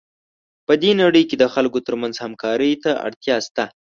په دې نړۍ کې د خلکو ترمنځ همکارۍ ته اړتیا شته.